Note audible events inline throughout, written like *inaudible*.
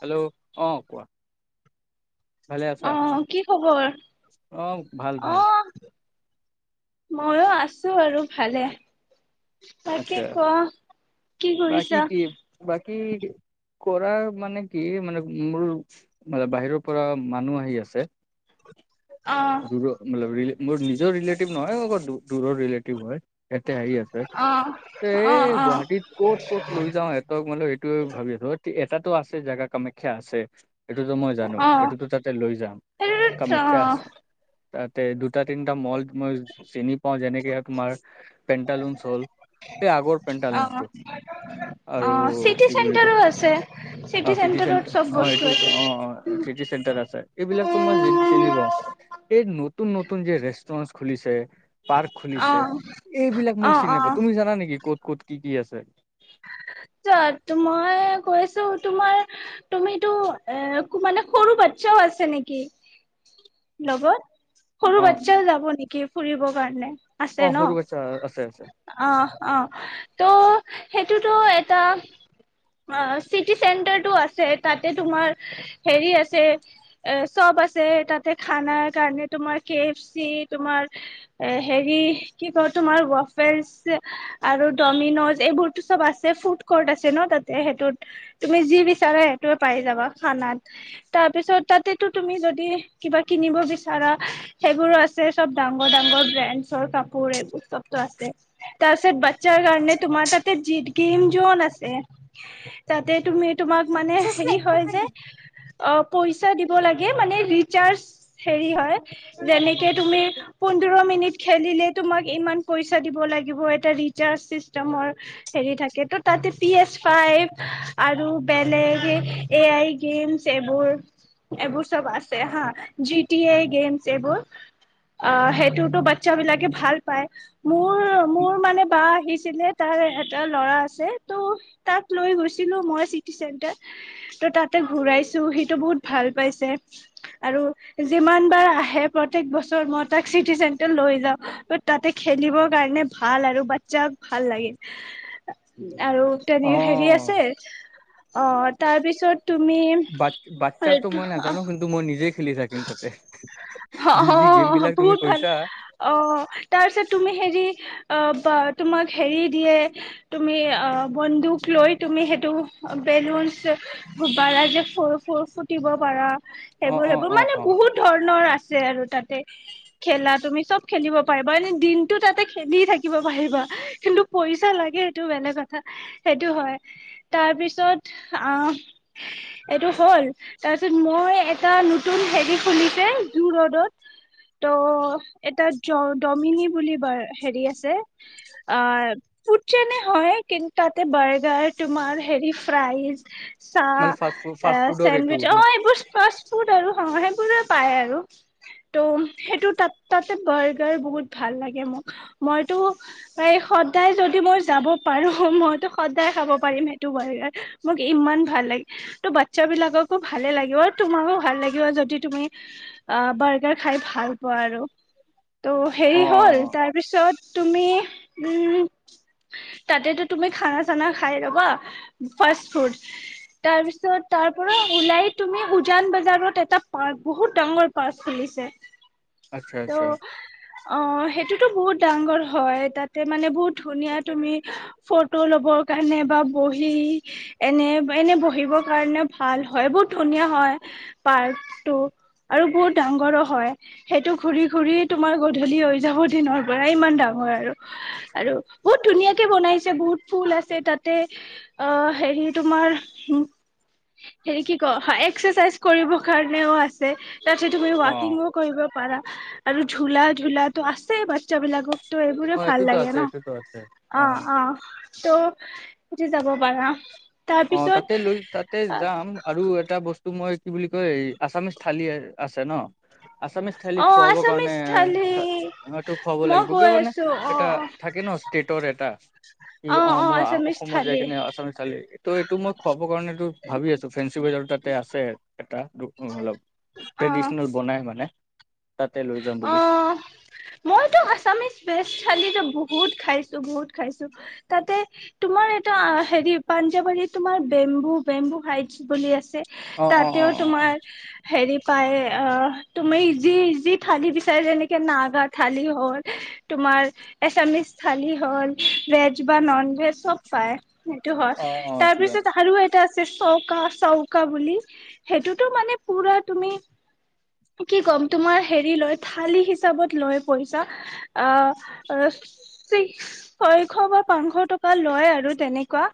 Hello অ কোৱা? ভালে আছা আহ কি খবৰ অ ভাল ভাল আহ ময়ো আছো আৰু ভালে। তাকে আচ্ছা ক কি বাকি কৰিছা কি? বাকি কৰা মানে কি মানে মোৰ ম বাহিৰৰ পৰা মানুহ আহি আছে। অ দুৰৰ মোৰ নিজৰ ৰিলেটিভ নহয় অ দৰৰ ৰিলেটিভ হয়। এতে আহি আছে। অ এ অ অ গুৱাহাটীত কত ক'ত লৈ যাওঁ সিহতক মানে সেইটোয়ে ভাবি আছো। এাতো আছে জাগা কামাখ্যা আছে। এইটোতো মই জানো অ এইটোতো তাতে লৈ যাম এইটোত কামাখ্যা আছে। অ তাতে দুটা তিনিটা মল মই চিনি পাও যেনেকে তোমাৰ পেণ্টালুনছ হ'ল। এই আগৰ অ পেণ্টটো অ আৰু চিটি কি বুলি কয় চেণ্টাৰো আছে অ চিটি চিট চেণ্টাৰত চেটাৰ চব অ বস্তু এইটোো আছে অ চিট চেণ্টাৰ আছে। এইবিলাকো মই চিনি পাও এই নতুন নতুন যে ৰেষ্টৰে খুলিছে পাৰ্ক অ খুলিছে এইবিলাক অ মই চিনি অ নেকি ক'ত ক'ত কি কি আছে? মই কৈছো তোমাৰ তুমিতো এ মানে সৰু বাচ্ছাও আছে নেকি লগত? সৰু অ বাচ্ছাও যাব নেকি? ফুৰিবৰ কাৰণে? আছে অ ন সৰু বাচ্ছা আছে আছে অ, অ, ত' সেইটোতো অ চিটি চেণ্টাৰটো আছে তাতে তোমাৰ হেৰি আছে চব আছে তাতে খানাৰ কাৰণে তোমাৰ কে এফ চি তোমাৰ হেৰি কি কই তোমাৰফেচ ৱাফাৰ্ছ আৰু ডমিনজ এইবোৰতো চব আছে। ফুড ন তাতে সেইটোত তুমি যি বিচাৰা সেইটোে পাই যাবা খানাত কোড আছে ন তাতে হৈটোত যি তুমি যদি বিচাৰা সেই টোৱে পই যাবা খনাত আছে চব ডাৰ ডাৰ ব্ৰেডৰ কাপোৰ এইবোৰবো আছে তাৰ পিছত বাচ্ছাৰ কাৰণে তোমাৰ তাতে। কিয় নাচে তাতে তুমি তোমাক মানে হেৰি হয় যে অ পইচা দিব লাগে মানে ৰিচাৰ্জ হেৰি হয়। যেনেকে তুমি পোন্ধৰ মিনিট খেলিলেই তোমাক ইমান পইচা দিব লাগিব এটা ৰিচাৰ্জ ছিষ্টেমৰ হেৰি থাকে। ত, তাতে পি এচ ফাইভ, আৰু বেলেগ এ আই গেমছ এইবোৰ। এইবোৰ চব আছে হা, জি টি আই গেমছ এইবোৰ। অ, সেইটোতো বাচ্ছাবিলাকে ভাল পায়। মোৰ-মোৰ মানে বা আহিছিলে, তাৰ এটা ল'ৰা আছে। তো, তাক লৈ গৈছিলোঁ মই চিটি চেণ্টাৰ। ত' তাতে ঘূৰাইছোঁ। সিটো বহুত ভাল পাইছে, আৰু যিমানবাৰ আহে প্ৰত্যেক বছৰ মই তাক চিটি চেণ্টাৰ লৈ যাওঁ, ত' তাতে খেলিবৰ কাৰণে ভাল আৰু বাচ্ছাক ভাল লাগে। *unintelligible* আৰু, অ তেনে হেৰি আছে। অ', তাৰপিছত? তুমি বা-বাচ্ছাৰটো মই নাজানো, কিন্তু মই নিজে খেলি থাকিম তাতে, অ যি যি গেম বিলাক তুমি বহুত ভাল কৈছা। অ তাৰপিছত তুমি হেৰি অ, বা তোমাক হেৰি দিয়ে। তুমি, আ বন্ধুক লৈ তুমি সেইটো বেলুনচ *unintelligible* যে ফু-ফুটিব পাৰা। অ অ এইোৰ *unintelligible* অ মানে অ বহুত ধৰণৰ আছে *unintelligible* আৰু তাতে খেলা তুমি চব খেলিব পাৰিবা এনে দিনটো তাতে খেলি থাকিব পাৰিবা কিন্তু পইচা লাগে সেইটো বেলেগ কথা সেইটো হয় তাৰ পিছত আহ এইটো হ'ল তাৰপিছত মই এটা নতুন হেৰি খুলিছে জ ৰ'দত ত' এটা ডমিনি বুলি হেৰি আছে অ যেনে হয় কিন্তু তাতে বাৰ্গাৰ তোমাৰ হেৰি ফ্ৰাইজ মানে ফাষ্ট ফু ফাষ্ট চাহ ফুডৰ এইটো চেণ্ডউইচ ন? অ এইবোৰ *unintelligible* ব হ সেইবোৰে পায় আৰু ত সেইটো তাত তাতে বাৰ্গাৰ বহুত ভাল লাগে মোক মইতোাই সদায় যদি মই যাব পাৰো মইতো সদায় খাব পাৰিম সেইটো বাৰ্গাৰ মোক ইমান ভাল লাগে ত' বাচ্ছ বিলাককো ভালে লাগিব তোমাৰো ভ ল য তুমি বাৰ খাই ভাল পোৱা আৰু ত' হেৰি হ'ল অ'। তাৰপিছত তুমি উম তাতেতো তুমি খানা চানা খাই ৰবা ফাষ্ট ফুড তাৰপিছত তাৰ পৰা উওলাই তুমি উজান ব বজাৰত এটা পাৰ্ক বহুত ডাঙৰ পাৰ্ক খুলিছে আচ্ছা আচ্ছা তো অ সেইটো *unintelligible* টো বহুত ডাঙৰ হয় তাতে মানে বহুত ধুনীয়া তুমি ফটো ল'বৰ কাৰণে বা বহি এনে এনে বহিবৰ কাৰণে ভাল হয় বহুত ধুনীয়া হয় পাৰকটো আৰু বহুত ডাঙৰো হয় সেইটো ঘূৰি ঘুৰি তোমাৰ গধূলি হৈ যাব দিনৰ পৰা ইমান ডাঙৰ আৰু আৰু বহুত ধুনীয়াকে বনাইছে বহুত ফুল আছে তাতে অ হেৰি তোমাৰ হেৰি কি ক এক্সাৰচাইজ কৰিব কাৰণেও আছে তাত তুমি অ', ৱাকিংো কৰিব কৰাা আৰু ঝোলা ঝোলা তো আছে বাচ্ছাবলাকক ত' এইবোোৰ অ', ভাল এইটোতো লাগে আছে ন এইটোতো আছে অ অ ত' সুজি যাব পাৰা অ তাতে তাৰপিছত লৈ তাতে যাম আৰু এটা বস্তু মই কি বুলি কয় আছামিজ থালি আছে ন আছামিজ থাইলি অ খুৱাবৰ কাৰণে আছামিছ থালি এটো খুৱাব মই লাগিব কিয় কৈ কাৰণে আছো অ এটা থাকে ন ষ্টেটৰ এটা ই অ মই অসমত যাই কিনে আছামি থাইলী ত' এইটো মই খুৱাবৰ কাৰণটো ভাবি আছো ফেঞ্চি বৱেজাৰ তাতে আছে এটা অলপ অ ট্ৰেডিচনেল বনাই মানে হ অ' মইতো আছামিজ বেচ থালীতো বহুত খাইছো বহুত খাইছো। তাতে তোমাৰ এটা হেৰি পাঞ্জাৱৰী তোমাৰ বেম্বু বেম্বু হাইটছ বুলি আছে। অ', অ', তাতেওঁ অ', অ', তোমাৰ হেৰি। পায়ে অ'। তুমি ইজি ইজি থালি বিচাৰে যেনেকৈ নাগা থালি হ'ল, তোমাৰ এচামিজ থালি হ'ল, ভেজ বা ন'ন ভেজ চব পায়। সেইটো হয় অ', অ', অ এইটো জানো তাৰপিছত আৰু এ! আছে চৌকা -চৌকা বুলি। সেইটোতো মানে পুৰা তুমি কি ক'ম তোমাৰ হেৰী লৈ থালি হিচাবত লৈ পইচা। আহ আহ চিছ শৈশৱ বা পাঁচশ টকা লৈ আৰু তেনেকুৱা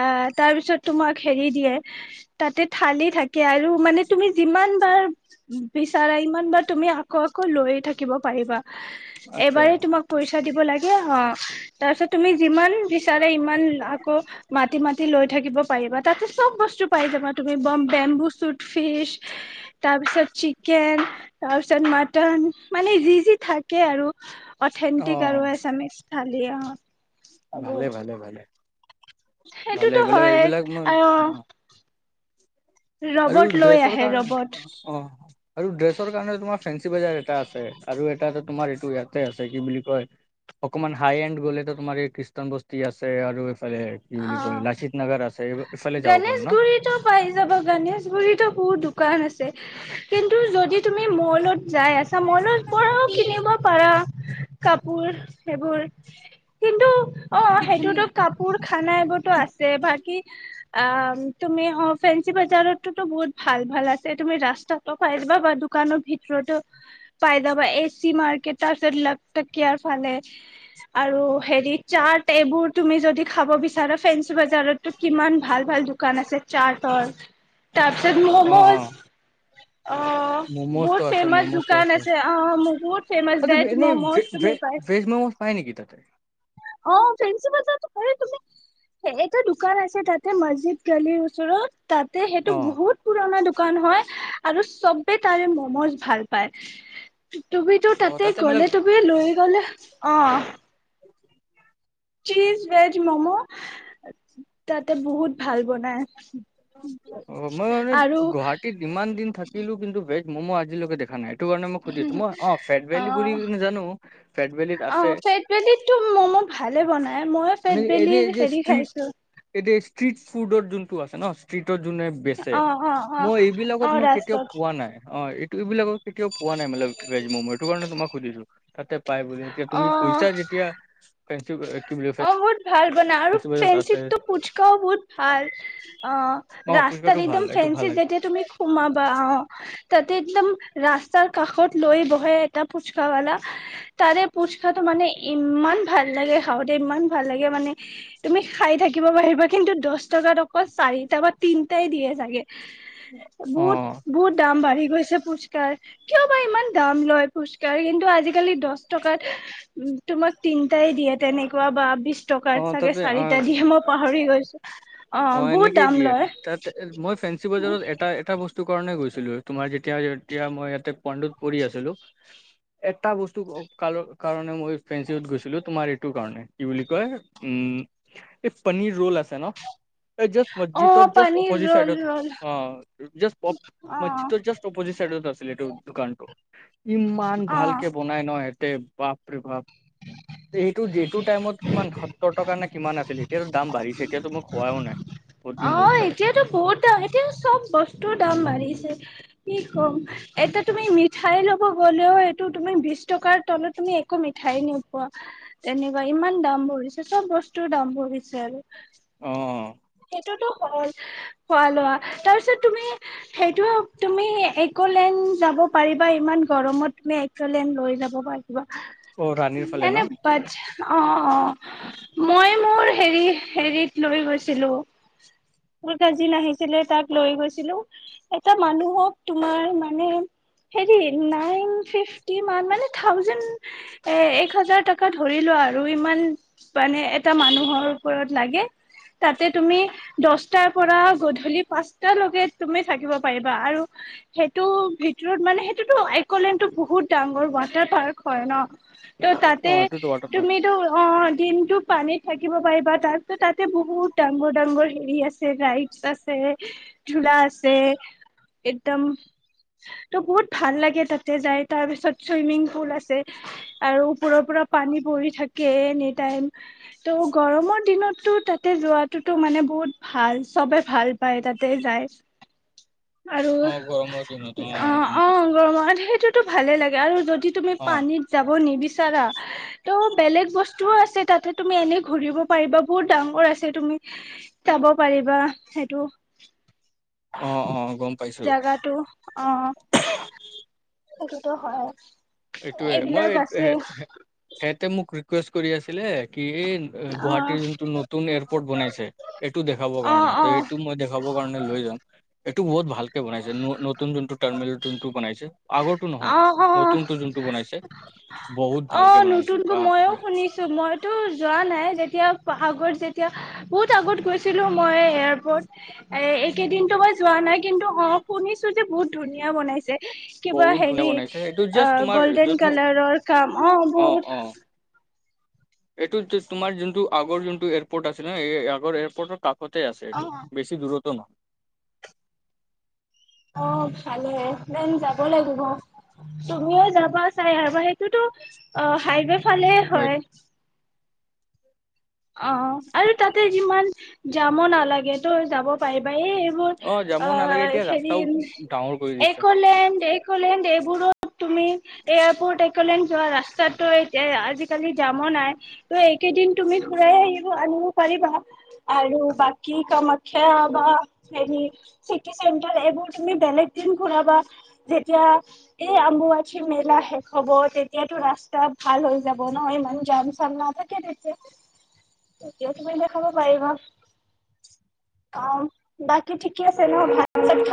আ'হ তাৰপিছত তোমাক হেৰী দিয়ে তাতে থালি থাকে। আৰু মানে তুমি যিমানবাৰ বিচাৰা সমান বাৰ তুমি আকৌ আকৌ লৈয়ে থাকিব পাৰিবা। আচ্ছা এবাৰেই তোমাক পইচা দিব লাগে। একেই হয়। তাৰ পিছত তুমি যিমান বিচাৰে ইমান আকৌ মাতি- মাতি লৈ থাকিব পাৰিবা তাতে চব বস্তু পাই যাবা তুমি বম বেম্বু চুট ফিচ তাৰপিছত চিকেন তাৰপিছত মাটন মানে যি, যি থাকে আৰু অ অথেণ্টিক আৰু এছামিচ। থালী অ'। ভালে, ভালে, ভালে, ভালে সেইটোতো এইবাক হয় এইবিলাক মোৰ আৰু অ' আৰু ৰবট লৈ ড্ৰেছৰ আহে কাৰণ ৰবট অ'। আৰু ড্ৰেছৰ কাৰণে তোমাৰ ফেঞ্চি বজাৰ এটা আছে আৰু এটা তোমাৰ এইটো ইয়াতে আছে। কি বুলি কয়? অকনমান হাই -এড গলে তোমাৰ এই খ্ৰীষ্টান বস্তি আছে। আৰু কি বুলি ক লচিত নগৰ আছে। এইফালে যাব পাৰো গণেশ ন গুৰিত পাই যাব গণেশ গণেশগুৰিতো বহুত দোকান আছে। কিন্তু যদি তুমি মলত যাই আছা মলৰ পৰাও কিনিব পাৰা কাপোৰ সেইবোৰ কিন্তু অ' সেইটোতো কাপোৰ খানা এইবোৰতো আছে বাকী অ' তুমি অ' ফেঞ্চি বাজাৰতোতো বহুত ভাল ভাল আছে। তুমি ৰাস্তাতো পাই যাবা বা দোকানৰ ভিতৰতো পাই যাবা এচি মাৰ্কেট। তাৰপিছত লাখটকিয়াৰ ফালে আৰু হেৰি চাৰ্ট এইবোৰ তুমি যদি খাব বিচাৰা। ফেঞ্চি বাজাৰতটো কিমান ভাল, ভাল দোকান আছে চাৰ্ট। তাৰপিছত ম'মোজ। মম'জ আছে মম'জ আছে। অ বহুত ফেমাচ ভেজ এনে মম'জ তুমি পাই ভেজ মম'জ পায় নে কি ততে? অ' ফেঞ্চি তুমি এটা দোকান আছে তাত মছজিদ গালি ওচৰত তাতে সেইটো অ বহুত পুৰণা দোকান হয় আৰু চবে তাৰে মমজ ভাল পায়। তুমিতো অ তাতে মানে গ'লে তুমি লৈ গ'লে- অ। চীজ ভেজ মম' তাতে বহুত ভাল বনাই। অ মই মানে আৰু গুৱাহাটীত ইমান দিন থাকিলো কিন্তু ভেজ- ম'ম আজিলৈকে দেখা নাই। সেটো কাৰণে মই সুধিছো মই অ ফেট ভেলি বুলি অ', জানো ফেট ভলিত আছে অ', ফেট বেলিতো ম'ম' ভালে বনাই মই মানে ফেট *unintelligible* এৰি বেলিৰ যে হেৰি খাইছো এইটো ষ্ট্ৰিত- ষ্ট্ৰিট ফুডত যোনটো আছে ন? যোনে বেচে অ', অ', অ', মই এইবিলাকত অ', মই কেতিয়াও ৰাস্তাত খোৱা নাই অ- এইবিলাকত- কেতিয়াও পোৱা নাই মানে ভেজ মম' এইটো কাৰণে তোমাক- সুধিছো তাতে- পাই বুলি এতিয়া তুমি অ', কৈছা যেতিয়া- *unintelligible* অ বহুত ভাল- বনাই আৰু ফেঞ্চি বজাৰত আছে ফেঞ্চিতটো পুচকাও বহুত ভাল অ অ' ৰাস্তাত ফুচকাটো ভাল একদম এইটো ভাল ফেঞ্চিত লাগে যেতিয়া তুমি সোমাবা অ- তাতে একদম ৰাস্তাৰ কাষত লৈ বহে এটা ফুচকা ৱালা তাৰে ফুচকাটো মানে ইমান ভাল লাগে- খাওঁতে ইমান ভাল লাগে মানে তুমি খাই থাকিব পাৰিবা কিন্তু দহ টকাত অকল চাৰিটা বা তিনটাই দিয়ে চাগে। বহুত অ' বহুত দাম বাঢ়ি গৈছে- পুচকাৰ। কিয় বা ইমান দাম লয় পুচকাৰ? কিন্তু আজিকালি দচ টকাত তোমাক তিনটাই দিয়ে। তেনেকুৱা বা বি - অ তাতে অ গৈছো অ বহুত এনেকেই দাম দিয়ে লয় তাতে মই ফেঞ্চি বজাৰত এটা এটা বস্তু- স্তু কাৰণে গৈছিলো তোমাৰ যেতিয়া তিয়া মই ইয়াতে পন্দুত পঢ়ি আছিলো এটা বস্তু কাল কাৰণে মই ফ্ৰেঞ্চিত গৈছিলো তোমাৰ এইটো কাৰণে কি বুলি- কি কয় উম এই পনীৰ ৰল আছে ন? জাস্ত অ মছজিদৰ জাষ্ট পানীৰ অপ'জিট ৰল চাইডত ৰল অ জাষ্ট অ মছজিদটোৰ জাষ্ট অপ'জিট চাইডত আছে। সেইটো দোকানটো। ইমান অ ভালকে বনাই ন! এ বাপৰে বাপ সেইটো যিটো টাইমত- কিমান সত্তৰ - টকানে কিমান আছিল এতিয়াতো দাম বাঢ়িছে এতিয়াটো মই খুৱাও নাই। বহুত দিন অ হ'ল চাগে এতিয়াতো বহুত দাম এতিয়া চব বস্তু দাম বাঢ়ি- ছে কি কম, এটা তুমি মিঠাই লব গলেও সেইটো তুমি বিশ টকাৰ তলত তুমি একো মিঠাই নোপোৱা তেনেকুৱা ইমান দাম বঢ়িছে চব বস্তুৰ দাম বঢ়িছে আৰু- অ। *unintelligible* খোৱা-লোৱা তাৰপিছত তুমি সেইটো তুমি একলেন্দ যাব পাৰিবা ইমান গৰমত তুমি একলেন্দ লৈ যাব পাৰিব- অ ৰাণীৰ ফালে ন *unintelligible* অ -অ মই মোৰ হেৰি হেৰিত লৈ গৈছিলো *unintelligible* জিন আহিছিলে তাক লৈ গৈছিলো এটা মানুহক তোমাৰ মানে হেৰি নাইন ফিফটি মান মানে থাউজেড এ এক হাজাৰ টকা ধৰিলো আৰু ইমান মানে এটা মানুহৰ ওপৰত লাগে তাতে তুমি দছটাৰ পৰা গধূলি পাঁচটালৈকে তুমি থাকিব পাৰিবা আৰু সেইটোৰ ভিতৰত মানে সেইটোতো আকলেনটো বহুত ডাঙৰ ৱাটাৰ পাৰ্ক হয় ন ত' তাতে অ এইটোতো ৱাটাৰ পাৰ্ক তুমিতো অ দিনটোক পানীত থাকিব পাৰিবা তাৰছ তাতে বহুত ডাঙৰ ডাঙৰ হেৰি আছে ৰাইডচ আছে ঝোলা আছে একদম ত' বহুত ভাল লাগে তাতে যাই তাৰ পিছত চুইমিং পুল আছে আৰু ও পৰৰ পৰা পানী পৰি থাকে এনি টাইম ত' গৰমৰ দিনতো তাতে যোৱাত তো মানে বহুত ভাল চবে ভাল পায় তাতে যায়। আৰু অ গৰমৰ দিনত অ গম -অ পাইছো গৰমত সেইটোতো ভালে লাগে আৰু যদি যদি তুমি অ পানীত যাব নিবি চাৰা ত' বেলেগ বস্তুও আছে তাতে তুমি এনে ঘূৰিব পাৰিবা বহুত ডাঙৰ আছে তুমি যাব পাৰিবা সেইটো অ অ গম *unintelligible* পাইছো জেগাটো আহ টো হয়। এইটোয়ে মই এইবিলাক এই আছে *unintelligible* সিহতে মোক *unintelligible* কৰি আছিলে কি এই *unintelligible* অ গুৱাহাটীৰ যোনটো নতুন এয়াৰপৰ্ট বনাইছে এইটো দেখাবৰ অ কাৰণে ত এইটো মই দেখাব কাৰণে লৈ যাম। এইটো বহুত ভাল বনাইছে নতু নতুন যোনটোৰ টাৰ্মিনেল। বনাইছে আগৰটো নহয় অ অ নু *unintelligible* নতুন অ টো জোনটো বনাইছে। ভালকে অ' বনাইছে নতুনকৈ মইও বাপৰে শুনিছো মইতো যোৱা নাই এতিয়া আগত যেতিয়া বহুত আগত গৈছিলো মই এয়াৰপৰ্ট এ এইকেইদিনো মই যোৱা নাই কিন্তু অ শুনিছো যে বহুত ধুনীয়া বনাইছে। কিবা বহুত ধুনীয়া হেৰি বনাইছে এইটো জাষ্ট অ' তোমাৰ গল্ডেন যোন কালাৰৰ কাম অ বহত। এইটো তোমাৰ যোনটো আগৰ যোনটো এয়াৰপৰ্ট আছে ন এই আগৰ এয়াৰপৰ্টৰ ক *unintelligible* তে আছে এইটো অ', বেছি দূৰত। *unintelligible* তম *unintelligible* অ 'ভালে দেন যাব লাগিব তুমিও যাবা চাই আৰুব সেইটোতো অ হাইৱে ফালে নহয়। হয়। অ' আৰু তাতে যিমান যাম নালাগে তো যাব পাৰিবা লে এইবোৰ যাব অ নালাগে এতিয়া ৰাস্তাও হেৰিন ডাঙৰ কৰি দিছে। একোলেণ্ড একলেণ্ড এইবো *unintelligible* কৰুো *unintelligible* তুমি এয়াৰপৰ্ট এক। কলে যোৱা ৰাস্তাতটো এতিয়া *unintelligible* আজিকালি দামো নাই ত' এইকেইদিন তুমি ঘ আহিব আনিব পাৰিবা আৰু বাকী কামাখ্যা বা হেৰি চিটি চেণ্টাৰ এইবোৰ তুমি বেলেগ দিন ঘুৰাবা যেতিয়া এই আম্বুুৱাঠি মেলা শেষ হব তেতিয়াতটো ৰাস্তা ভাল হৈ যাব নহয় ইমান জাম চাম নাথাকে তেতিয়া তিয়াম দেখাব প *unintelligible* অ *unintelligible* বাকি ঠিকে আছে ন ভাত চ খ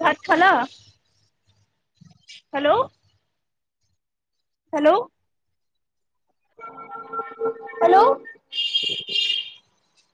ভাত খ হেল্ল' হেল্ল' *unintelligible* হেল্ল' *unintelligible*